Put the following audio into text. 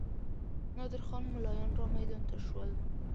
نادر خان ملایان رامیدان ته شول.